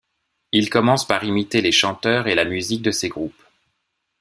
Il commence par imiter les chanteurs et la musique de ces groupes.